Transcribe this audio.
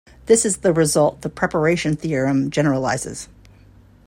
This is the result the preparation theorem generalises.